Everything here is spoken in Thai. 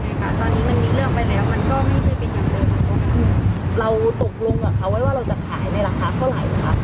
แต่ว่าก็มาเกิดเรื่องว่าที่เขาว่าพอนี่แหละค่ะ